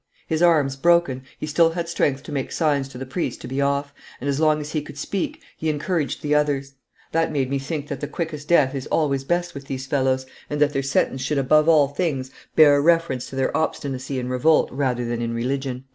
His arms broken, he still had strength to make signs to the priest to be off, and, as long as he could speak, he encouraged the others. That made me think that the quickest death is always best with these fellows, and that their sentence should above all things bear reference to their obstinacy in revolt rather than in religion."